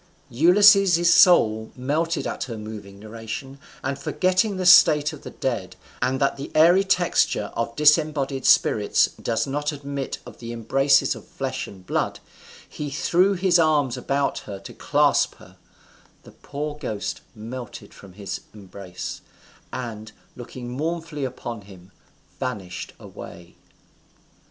Ulysses's soul melted at her moving narration, and forgetting the state of the dead, and that the airy texture of disembodied spirits does not admit of the embraces of flesh and blood, he threw his arms about her to clasp her: the poor ghost melted from his embrace, and, looking mournfully upon him, vanished away.